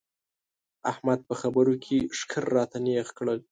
احمد په خبرو کې ښکر راته نېغ کړل.